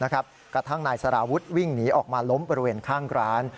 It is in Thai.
กระทั่งนายสารวุฒิวิ่งหนีออกมาล้มบริเวณข้างร้าน